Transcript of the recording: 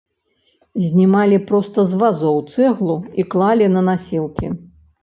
Знімалі проста з вазоў цэглу і клалі на насілкі.